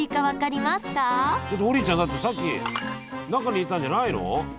王林ちゃんだってさっき中にいたんじゃないの？